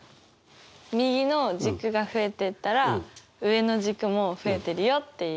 右の軸が増えてったら上の軸も増えてるよっていう関係。